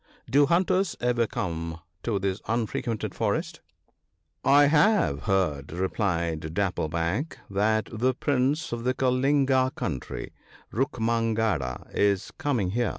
" Do hunters ever come to this unfrequented forest ?"" I have heard," replied Dapple back, " that the Prince of the Kalinga country, Rukmangada, is coming here.